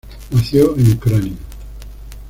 Nació en Ucrania.